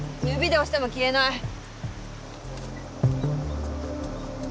指で押しても消えない。